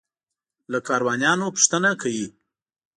له کاروانیانو پوښتنه کوي.